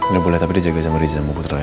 ya boleh tapi dijaga sama riza sama putra ya